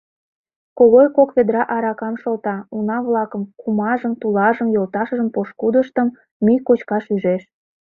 Когой кок ведра аракам шолта, уна-влакым: кумажым, туларжым, йолташыжым, пошкудыштым — мӱй кочкаш ӱжеш.